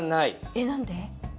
えっ？何で？